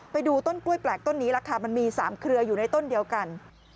ไปดูต้นกล้วยแปลกต้นนี้ล่ะค่ะมันมี๓เครืออยู่ในต้นเดียวกัน